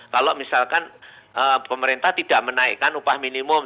kalau misalkan pemerintah tidak menaikkan upah minimum